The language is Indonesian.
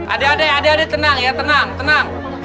adik adik adik adik tenang ya tenang tenang